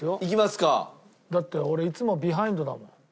だって俺いつもビハインドだもん。